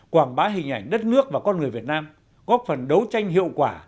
quảng bá hình ảnh đất nước và con người việt nam góp phần đấu tranh hiệu quả